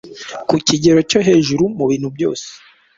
ku kigero cyo hejuru mu bintu byose